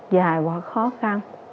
dài và khó khăn